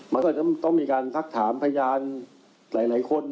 มันก็จะต้องมีการสักถามพยานหลายคน